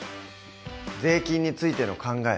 税金についての考え